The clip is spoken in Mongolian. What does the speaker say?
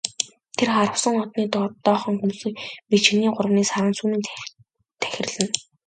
Тэр харвасан одны доохон хөмсөг мэт шинийн гуравны саран сүүмийн тахирлана.